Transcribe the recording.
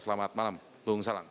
selamat malam bung salang